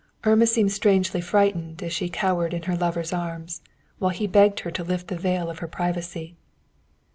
Irma seemed strangely frightened as she cowered in her lover's arms, while he begged her to lift the veil of her privacy.